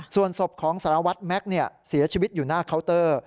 ส่วนศพของสารวัตรแม็กซ์เสียชีวิตอยู่หน้าเคาน์เตอร์